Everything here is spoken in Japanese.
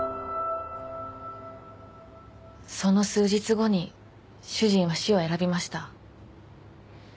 その数日後に主人は死を選びました。